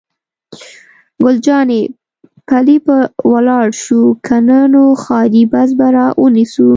ګل جانې: پلي به ولاړ شو، که نه نو ښاري بس به را ونیسو.